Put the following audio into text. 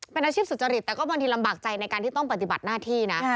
เป็นอาชีพสุจริตแต่ก็บางทีลำบากใจในการที่ต้องปฏิบัติหน้าที่นะ